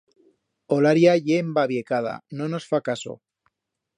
Olaria ye embabiecada, no nos fa caso.